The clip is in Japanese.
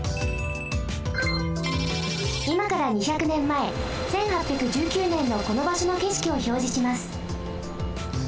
いまから２００ねんまえ１８１９ねんのこのばしょのけしきをひょうじします。